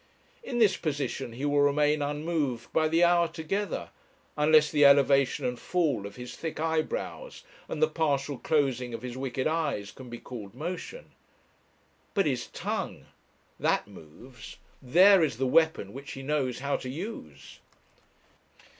In this position he will remain unmoved by the hour together, unless the elevation and fall of his thick eyebrows and the partial closing of his wicked eyes can be called motion. But his tongue! that moves; there is the weapon which he knows how to use!